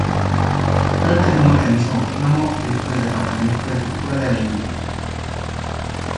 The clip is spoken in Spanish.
Se trata de un organismo autónomo dentro del departamento de Cultura de la India.